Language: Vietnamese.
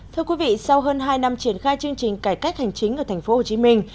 thưa quý vị sau hơn hai năm triển khai chương trình cải cách hành chính ở thành phố hồ chí minh